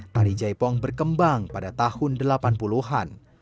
tari jaipong berkembang pada tahun delapan puluh an